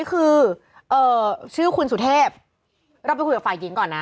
คุณสุเทพเราไปคุยกับฝ่ายหญิงก่อนนะ